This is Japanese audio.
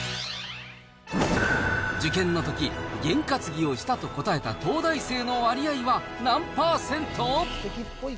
受験のとき、験担ぎをしたと答えた東大生の割合は何％？